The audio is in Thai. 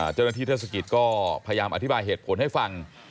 เจ้าหน้าที่เทศกิจก็พยายามอธิบายเหตุผลให้ฟัง